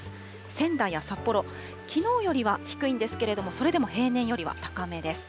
仙台や札幌、きのうよりは低いんですけれども、それでも平年よりは高めです。